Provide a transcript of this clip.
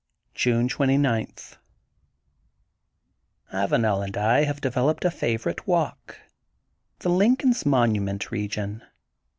June 29: — ^Avanel and I have developed a favorite walk: the Lincoln *s monument re gion.